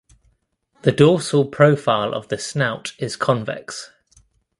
The dorsal profile of the snout is convex.